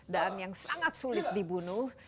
dan yang sangat sulit dibunuh